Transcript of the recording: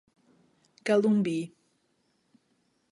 Calumbi